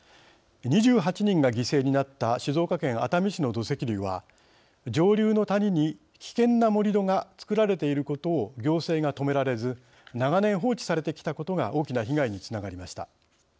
２８人が犠牲になった静岡県熱海市の土石流は上流の谷に危険な盛り土が造られていることを行政が止められず長年放置されてきたことが大きな被害につながりました。